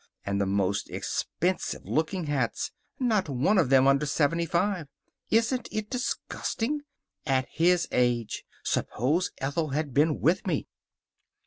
And the most expensive looking hats. Not one of them under seventy five. Isn't it disgusting! At his age! Suppose Ethel had been with me!"